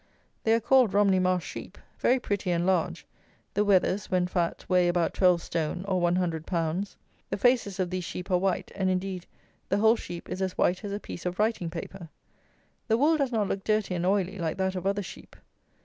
They are called Romney Marsh sheep. Very pretty and large. The wethers, when fat, weigh about twelve stone; or, one hundred pounds. The faces of these sheep are white; and, indeed, the whole sheep is as white as a piece of writing paper. The wool does not look dirty and oily like that of other sheep.